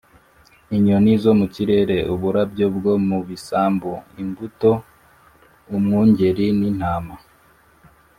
inyoni zo mu kirere, uburabyo bwo mu bisambu, imbuto, umwungeri n’intama